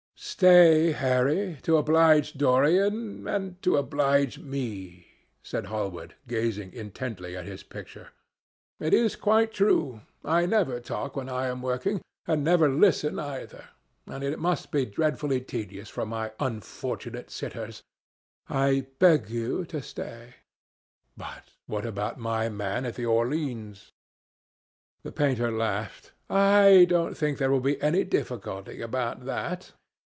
"Stay, Harry, to oblige Dorian, and to oblige me," said Hallward, gazing intently at his picture. "It is quite true, I never talk when I am working, and never listen either, and it must be dreadfully tedious for my unfortunate sitters. I beg you to stay." "But what about my man at the Orleans?" The painter laughed. "I don't think there will be any difficulty about that.